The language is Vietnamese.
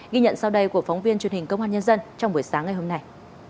ghi nhận sau đây của phóng viên truyền hình công an nhân dân trong buổi sáng ngày hôm nay